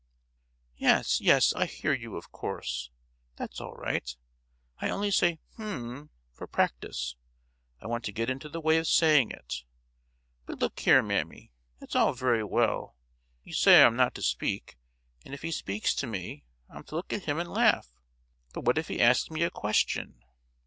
"Yes, yes; I hear you, of course. That's all right. I only say 'H'm,' for practice; I want to get into the way of saying it. But look here, mammy, it's all very well; you say I'm not to speak, and if he speaks to me I'm to look at him and laugh—but what if he asks me a question?"